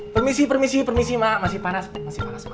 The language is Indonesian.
permisi permisi permisi mak masih panas masih panas mak